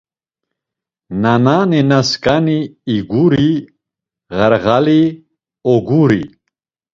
Nananenaskani iguri, ğarğali, oguri.